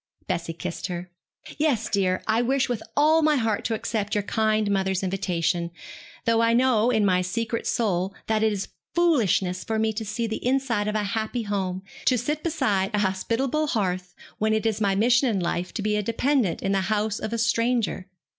Bessie kissed her. 'Yes, dear, I wish with all my heart to accept your kind mother's invitation; though I know, in my secret soul, that it is foolishness for me to see the inside of a happy home, to sit beside a hospitable hearth, when it is my mission in life to be a dependent in the house of a stranger.